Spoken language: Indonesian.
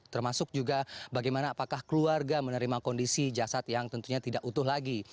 termasuk juga bagaimana apakah keluarga menerima kondisi jasad yang tentunya tidak utuh lagi